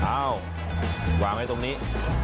อ้าววางไว้ตรงนี้